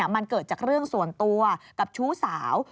มันเกิดจากเรื่องส่วนตัวกับชู้สาว